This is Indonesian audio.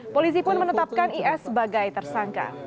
polisi pun menetapkan is sebagai tersangka